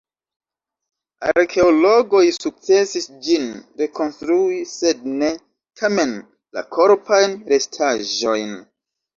Arkeologoj sukcesis ĝin rekonstrui, sed ne, tamen, la korpajn restaĵojn.